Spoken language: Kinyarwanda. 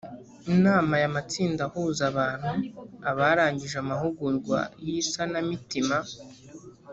inama aya matsinda ahuza abantu abarangije amahugurwa y isanamitima